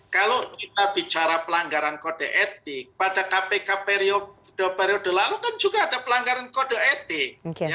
kalau kita bicara pelanggaran kode etik pada kpk periode dua periode lalu kan juga ada pelanggaran kode etik